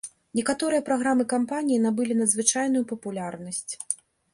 Некаторыя праграмы кампаніі набылі надзвычайную папулярнасць.